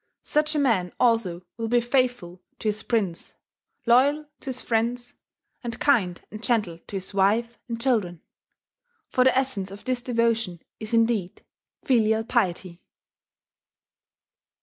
Such a man also will be faithful to his prince, loyal to his friends, and kind and gentle to his wife and children. For the essence of this devotion is indeed filial piety."